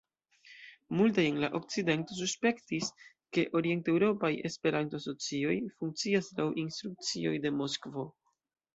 Multaj en la okcidento suspektis, ke orienteŭropaj Esperanto-asocioj funkcias laŭ instrukcioj de Moskvo.